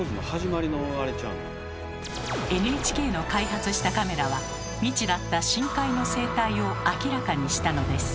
ＮＨＫの開発したカメラは未知だった深海の生態を明らかにしたのです。